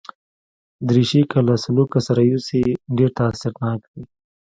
دریشي که له سلوکه سره یوسې، ډېر تاثیرناک وي.